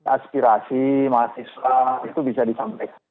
aspirasi mahasiswa itu bisa disampaikan